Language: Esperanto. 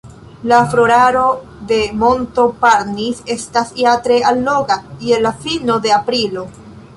La floraro de monto Parnis estas ja tre alloga, je la fino de aprilo.